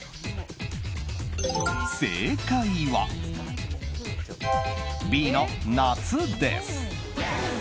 正解は、Ｂの夏です。